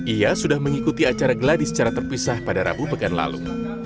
ia sudah mengikuti acara geladi secara terpisah pada rabu pekan lalu